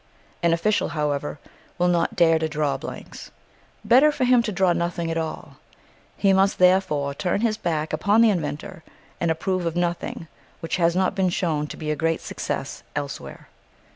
An official, however, will not dare to draw blanks. Better for him to draw nothing at all. He must therefore turn his back upon the inventor and approve of nothing which has not been shown to be a great success elsewhere.